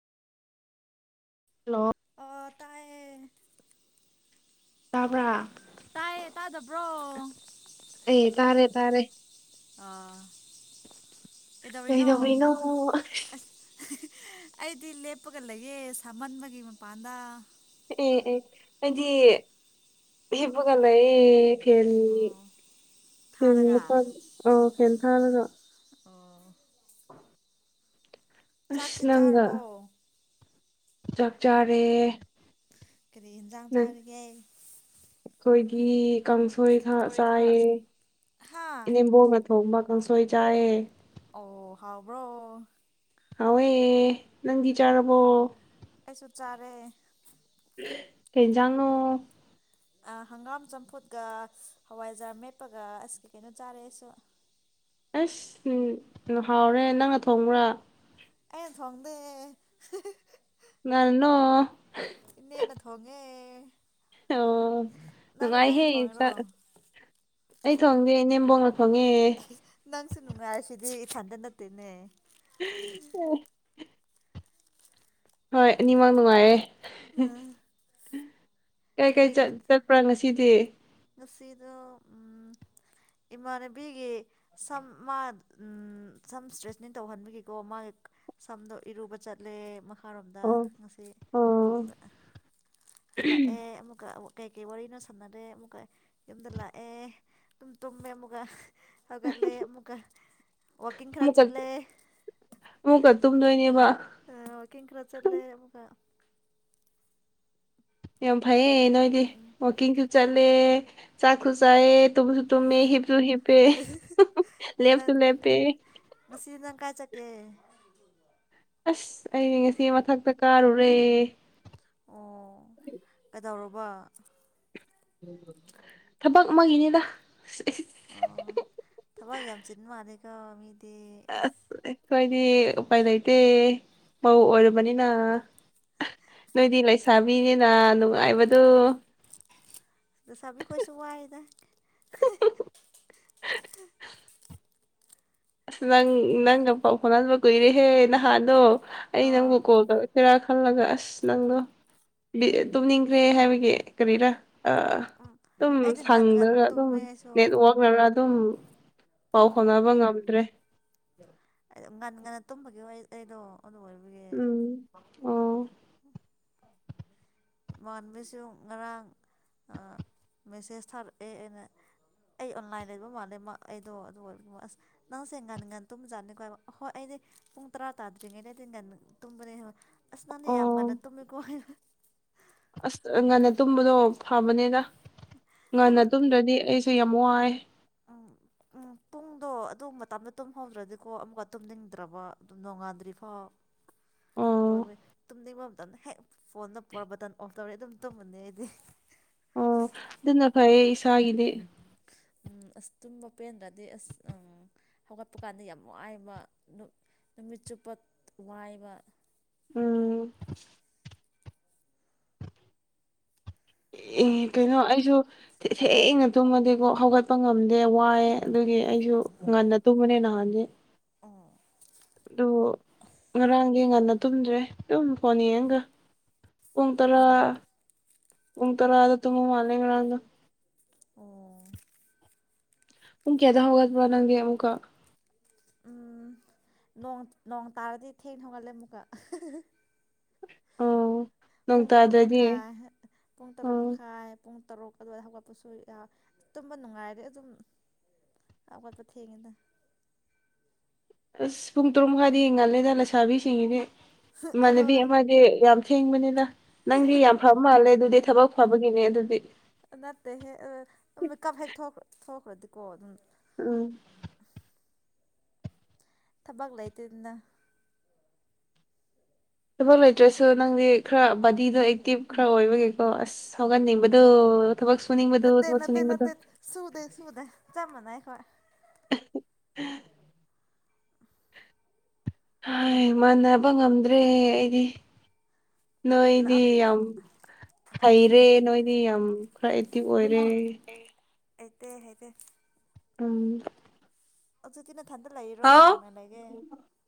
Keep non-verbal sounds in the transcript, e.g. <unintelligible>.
hello ꯑꯥ ꯑꯥ ꯇꯥꯏꯌꯦ ꯇꯥꯕ꯭ꯔꯥ ꯇꯥꯏꯌꯦ ꯇꯥꯗꯕ꯭ꯔꯣ ꯑꯩ ꯇꯥꯔꯦ ꯇꯥꯔꯦ ꯑꯥ ꯀꯩꯗꯧꯔꯤꯅꯣ ꯑꯁ ꯑꯩꯗꯤ ꯂꯦꯞꯄꯒ ꯂꯩꯌꯦ ꯁꯥꯃꯟꯕꯒꯤ ꯃꯄꯥꯟꯗ ꯑꯦ ꯑꯦ ꯑꯩꯗꯤ ꯍꯤꯞꯄꯒ ꯂꯩꯌꯦ ꯐꯦꯟꯒꯤ ꯑꯣ ꯐꯦꯟꯒꯤ ꯊꯥꯔꯒ ꯃꯈꯥ ꯑꯥ ꯐꯦꯟ ꯊꯥꯔꯒ ꯑꯣ ꯑꯁ ꯆꯥꯛꯇꯤ ꯅꯪꯒ ꯆꯥꯔꯕꯣ ꯆꯥꯛ ꯆꯥꯔꯦ ꯀꯔꯤ ꯍꯦꯟꯖꯥꯡ ꯆꯥꯔꯤꯒꯦ ꯑꯩꯈꯣꯏꯒꯤ ꯀꯥꯡꯁꯣꯏ ꯈ ꯆꯥꯏꯌꯦ ꯍꯥꯥ ꯏꯅꯦꯝꯕꯣꯛꯅ ꯊ ꯊꯣꯡꯃ ꯀꯪꯁꯣꯏ ꯆꯥꯌꯦ ꯑꯣ ꯍꯥꯎꯕ꯭ꯔꯣ ꯍꯥꯎꯋꯦ ꯅꯪꯗꯤ ꯆꯥꯔꯕꯣ ꯑꯩꯁꯨ ꯆꯥꯔꯦ ꯀꯩꯟꯖꯥꯡꯅꯣ ꯑ ꯍꯪꯒꯥꯝ ꯆꯝꯐꯨꯠꯀ ꯍꯋꯥꯏꯖꯥꯔ ꯃꯦꯠꯄꯒ ꯑꯁ ꯀꯩ ꯀꯩꯅꯣ ꯆꯥꯔꯦ ꯑꯩꯁꯨ ꯑꯁ ꯅ ꯍꯥꯎꯔꯦ ꯅꯪꯅ ꯊꯣꯡꯕ꯭ꯔꯥ ꯑꯩꯅ ꯊꯣꯡꯗꯦ <unintelligible> ꯅꯅꯣ ꯏꯅꯦꯅ ꯊꯣꯡꯉꯦ ꯑꯣ ꯅꯪ ꯅꯨꯉꯥꯏꯍꯦ ꯅꯪꯅ ꯊꯣꯡꯉꯤꯔꯣ ꯌꯨꯡꯆꯥꯛ ꯑꯩ ꯊꯣꯡꯗꯦ ꯏꯅꯦꯝꯕꯣꯡꯅ ꯊꯣꯡꯉꯦ ꯅꯪꯁꯨ ꯅꯨꯡꯉꯥꯏꯔꯁꯤꯗꯤ ꯏꯊꯟꯗ ꯅꯠꯇꯦꯅꯦ ꯑꯣ ꯍꯣꯏ ꯑꯅꯤꯃꯛ ꯅꯨꯡꯉꯥꯏꯌꯦ <unintelligible> ꯎꯝ ꯀꯔꯤ ꯀꯩꯀꯩ ꯀꯔꯤ ꯆꯠꯄ ꯄꯨ꯭ꯔꯥ ꯉꯁꯤꯗꯤ ꯉꯁꯤꯗꯣ ꯎꯝ ꯏꯃꯥꯟꯅꯕꯤꯒꯤ ꯁꯝ ꯃꯥ ꯎꯝ ꯁꯝ ꯁ꯭ꯇ꯭ꯔꯦꯠꯅꯤꯡ ꯇꯧꯍꯟꯕꯒꯤꯀꯣ ꯃꯥꯒꯤ ꯁꯝꯗꯣ ꯏꯔꯨꯕ ꯆꯠꯂꯦ ꯃꯈꯥꯔꯣꯝꯗ ꯑꯣ ꯉꯁꯤ ꯑꯣ ꯑꯗꯨꯒ ꯍꯜꯂꯛꯑꯦ ꯑꯃꯨꯛꯀ ꯋ ꯀꯩꯀꯩ ꯋꯥꯔꯤꯅꯣ ꯁꯥꯟꯅꯔꯦ ꯑꯃꯨꯛꯀ ꯌꯨꯝꯗ ꯂꯥꯛꯑꯦ ꯇꯨꯝ ꯇꯨꯝꯃꯦ ꯑꯃꯨꯛꯀ ꯍꯧꯒꯠꯂꯦ ꯑꯃꯨꯛꯀ ꯋꯥꯀꯤꯡ ꯈꯔ ꯑꯃꯨꯛꯀ ꯆꯠꯂꯦ ꯑꯃꯨꯛꯀ ꯇꯨꯝꯗꯣꯏꯅꯦꯕ ꯑ ꯋꯥꯀꯤꯡ ꯈꯔ ꯆꯠꯂꯦ ꯑꯃꯨꯛꯀ ꯌꯥꯝ ꯐꯩꯌꯦ ꯅꯣꯏꯗꯤ ꯋꯥꯛꯀꯤꯡꯁꯨ ꯆꯠꯂꯦ ꯆꯥꯛꯁꯨ ꯆꯥꯏꯌꯦ ꯇꯨꯝꯁꯨ ꯇꯨꯝꯃꯦ ꯍꯤꯞꯁꯨ ꯍꯤꯞꯄꯦ <unintelligible> ꯂꯦꯞꯁꯨ ꯅꯪ ꯂꯦꯞꯄꯦ ꯉꯁꯤ ꯅꯪ ꯀꯥꯏ ꯆꯀꯦ ꯑꯁ ꯑꯩ ꯉꯁꯤ ꯃꯊꯛꯇ ꯀꯥꯔꯨꯔꯦ ꯑꯣ ꯀꯩꯗꯧꯔꯨꯕ ꯊꯕꯛ ꯑꯃꯒꯤꯅꯦꯗ <unintelligible> ꯑꯣ ꯊꯕꯛ ꯌꯥꯝ ꯆꯤꯟ ꯃꯥꯜꯂꯦꯀꯣ ꯃꯤꯗꯤ ꯏꯁ ꯈꯣꯏꯗꯤ ꯎꯄꯥꯏ ꯂꯩꯇꯦ ꯃꯧ ꯑꯣꯏꯔꯕꯅꯤꯅ ꯅꯣꯏꯗꯤ ꯂꯩꯁꯥꯕꯤꯅꯤꯅ ꯅꯨꯡꯉꯥꯏꯕꯗꯨ ꯂꯩꯁꯥꯕꯤ ꯈꯣꯏꯁꯨ ꯋꯥꯏꯌꯦꯗ ꯑꯁ ꯅꯪ ꯅꯪꯒ ꯄꯥꯎ ꯐꯥꯎꯅꯗꯕ ꯀꯨꯏꯔꯦꯍꯦ ꯅꯍꯥꯟꯗꯣ ꯑꯩ ꯅꯪꯕꯨ ꯑꯣ ꯀꯣꯜ ꯇꯧꯔꯛ ꯄꯦꯔꯥ ꯈꯜꯂꯒ ꯑꯁ ꯅꯪꯗꯣ ꯕꯤ ꯇꯨꯝꯅꯤꯡꯈ꯭ꯔꯦ ꯍꯥꯏꯕꯒꯤ ꯀꯔꯤꯔꯥ ꯑ ꯎꯝ ꯇꯨꯝ ꯑꯩꯗꯤ ꯉꯟ ꯉꯟ ꯁꯪꯗ꯭ꯔꯒ ꯑꯗꯨꯝ ꯇꯨꯝꯃꯦ ꯑꯩꯁꯨ ꯅꯦꯠꯋꯛ ꯋꯔꯥ ꯑꯗꯨꯝ ꯄꯥꯎ ꯑꯣ ꯐꯥꯎꯅꯕ ꯉꯝꯗ꯭ꯔꯦ ꯑꯩ ꯉꯟ ꯉꯟꯅ ꯇꯨꯝꯕꯒꯤ ꯋꯥ ꯑꯩꯗꯣ ꯑꯗꯨ ꯑꯣꯏꯕꯒꯤ ꯎꯝ ꯑꯣ <unintelligible> ꯃꯥꯟꯕꯁꯨ ꯉꯔꯥꯡ ꯑꯥ ꯃꯦꯁꯦꯖ ꯊꯥꯔꯛꯑꯦ ꯑꯩꯅ ꯑꯩ ꯑꯣꯟꯂꯥꯏꯟ ꯂꯩꯕ ꯃꯥꯜꯂꯦ ꯃꯥ ꯑꯩꯗꯣ ꯑꯗꯨꯒ ꯑꯁ ꯅꯪ ꯁꯦꯡ ꯉꯟ ꯉꯟ ꯇꯨꯝ ꯆꯠꯅꯤꯀꯣ ꯍꯥꯏꯕ ꯍꯣꯏ ꯑꯩꯗꯤ ꯄꯨꯡ ꯇꯔꯥ ꯇꯥꯗ꯭ꯔꯤꯉꯩꯗꯗꯤꯟ ꯉꯟꯅ ꯇꯨꯝꯕꯅꯦ ꯑꯁ ꯅꯪꯗꯤ ꯌꯥꯝ ꯑꯣ ꯉꯟꯅ ꯇꯨꯝꯃꯤꯀꯣ ꯑꯁ ꯉꯥꯟꯅ ꯇꯨꯝꯕꯗꯣ ꯐꯕꯅꯤꯅ ꯑꯗꯨꯝ ꯉꯟꯅ ꯇꯨꯝꯗ꯭ꯔꯗꯤ ꯑꯩ ꯁꯤ ꯌꯥꯝ ꯋꯥꯏ ꯑꯝ ꯎꯝ ꯄꯨꯡꯗꯣ ꯑꯗꯨ ꯃꯇꯝꯗ ꯇꯨꯝꯍꯧꯗ꯭ꯔꯗꯤꯀꯣ ꯑꯃꯨꯛꯀ ꯇꯨꯝꯅꯤꯡꯗ꯭ꯔꯕ ꯑꯗꯨꯝ ꯅꯣꯡꯉꯥꯟꯗ꯭ꯔꯤꯐꯥꯎ <inaudible> ꯑꯗꯨ ꯑꯣꯏꯕ ꯇꯨꯝꯅꯤꯡꯕ ꯃꯇꯝꯗ ꯍꯦꯛ ꯐꯣꯟꯗ ꯄꯨꯔ ꯕꯇꯟ ꯑꯣꯐ ꯇꯧꯔꯦ ꯑꯗꯨꯝ ꯇꯨꯝꯃꯅꯤ ꯑꯩꯗꯤ ꯑꯗꯨ ꯅ ꯐꯌꯦ ꯏꯁꯥꯒꯤꯗꯤ ꯎꯝ ꯑꯁ ꯇꯨꯝꯕ ꯄꯦꯟꯗ꯭ꯔꯗꯤ ꯑꯁ ꯑꯝ ꯍꯧꯒꯠꯄ ꯀꯥꯟꯗ ꯌꯥꯝ ꯋꯥꯏꯑꯦꯕ ꯅꯨꯃꯤꯠ ꯆꯨꯞꯄ ꯋꯥꯏꯕ ꯎꯝ ꯅꯪꯗꯤ ꯑꯦ ꯊꯤ ꯀꯩꯅꯣ ꯑꯩꯁꯨ ꯊꯦꯡꯅ ꯇꯨꯝꯃꯗꯤꯀꯣ ꯍꯧꯒꯠꯄ ꯉꯝꯗꯦ ꯋꯥꯏꯑꯦ ꯑꯗꯨꯒꯤ ꯑꯩꯁꯨ ꯉꯟꯅ ꯇꯨꯝꯕꯅꯦ ꯅꯍꯥꯟꯗꯤ ꯑꯣ ꯑꯗꯨ ꯉꯔꯥꯡꯒꯤ ꯉꯟꯅ ꯇꯨꯝꯗ꯭ꯔꯦ ꯑꯗꯨꯨꯝ ꯐꯣꯟ ꯌꯦꯡꯒ ꯄꯨꯡ ꯇꯔꯥ ꯑꯣ ꯄꯨꯡ ꯇꯔꯥꯗ ꯇꯨꯝꯕ ꯃꯥꯜꯂꯦ ꯉꯔꯡꯗꯣ ꯑꯣ ꯄꯨꯡ ꯀꯌꯥꯗ ꯍꯧꯒꯠꯄ꯭ꯔꯣ ꯅꯪꯗꯤ ꯑꯃꯨꯛꯀꯥ ꯎꯝ ꯅꯣꯡ ꯅꯣꯡ ꯇꯥꯔꯗꯤ ꯊꯦꯡꯅ ꯍꯧꯒꯠꯂꯦ ꯑꯃꯨꯛꯀ ꯑꯣ ꯅꯣꯡ ꯄꯨꯡ ꯇꯔꯨꯛ ꯇꯥꯗ꯭ꯔꯗꯤ ꯃꯈꯥꯏ ꯄꯨꯡ ꯇꯔꯨꯛ ꯑꯣ ꯃꯈꯥꯏ ꯄꯨꯡ ꯇꯔꯨꯛ ꯑꯗꯨꯋꯥꯏꯗ ꯍꯧꯒꯠꯄꯁꯨ ꯌꯥꯎ ꯇꯨꯝꯕ ꯅꯨꯡꯉꯥꯏꯔꯗꯤ ꯑꯗꯨꯝ ꯍꯧꯒꯠꯄ ꯊꯦꯡꯉꯤꯗ ꯑꯁ ꯄꯨꯡ ꯇꯔꯨꯛ ꯃꯈꯥꯏꯗꯤ ꯉꯜꯂꯦꯗ ꯂꯩꯁꯥꯕꯤꯁꯤꯡꯉꯤꯅꯦ ꯏꯃꯥꯟꯅꯕꯤ ꯍꯣꯏ ꯑꯃꯗꯤ ꯌꯥꯝ ꯊꯦꯡꯕꯅꯤꯅ ꯅꯪꯗꯤ ꯌꯥꯝ ꯐꯕ ꯃꯥꯜꯂꯦ ꯑꯗꯨꯗꯤ ꯊꯕꯛ ꯐꯕꯒꯤꯅꯦ ꯑꯗꯨꯗꯤ ꯅꯠꯇꯦ ꯍꯦꯛ ꯑꯥ ꯃꯦꯀꯞ ꯍꯦꯛ ꯊꯣꯛ ꯊꯣꯛꯈ꯭ꯔꯗꯤꯀꯣ ꯑꯗꯨꯝ ꯎꯝ ꯊꯕꯛ ꯂꯩꯇꯦꯗꯅ ꯊꯕꯛ ꯂꯩꯇ꯭ꯔꯁꯨ ꯅꯪꯗꯤ ꯈꯔ ꯕꯗꯤꯗꯣ ꯑꯦꯛꯇꯤꯞ ꯈꯔ ꯑꯣꯏꯕꯒꯤꯀꯣ ꯑꯁ ꯁꯧꯒꯟꯅꯤꯡꯕꯗꯨ ꯊꯕꯛ ꯁꯨꯅꯤꯡꯕꯗꯨ ꯅꯠꯇꯦ ꯊ ꯅꯠꯇꯦ ꯁꯨꯅꯤꯡꯕꯗꯨ ꯅꯠꯇꯦ ꯁꯨꯗꯦ ꯁꯨꯗꯦ ꯆꯞ ꯃꯥꯟꯅꯩ ꯑꯩꯈꯣꯏ <unintelligible> ꯍꯥꯏ ꯃꯥꯟꯅꯕ ꯉꯝꯗ꯭ꯔꯦ ꯑꯩꯗꯤ ꯅꯣꯏꯗꯤ ꯌꯥꯝ ꯍꯩꯔꯦ ꯅꯣꯏꯗꯤ ꯌꯥꯝ ꯈꯔ ꯑꯦꯛꯇꯤꯚ ꯑꯣꯏꯔꯦ ꯍꯩ ꯍꯩꯇꯦ ꯍꯩꯇꯦ ꯎꯝ ꯍꯧꯖꯤꯛꯇꯤ ꯅꯊꯟꯗ ꯂꯩꯔꯣ ꯀꯅꯥ ꯍꯥꯎ ꯀꯅꯥ ꯂꯩꯒꯦ